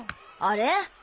あれ？